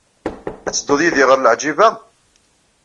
Ad tedduḍ yid-i ɣer Leɛǧiba?